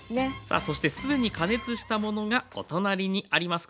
さあそして既に加熱したものがお隣にあります。